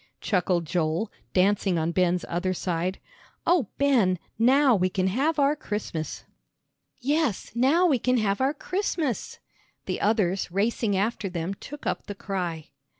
chuckled Joel, dancing on Ben's other side. "Oh, Ben, now we can have our Christmas!" "Yes, now we can have our Christmas!" The others racing after them took up the cry.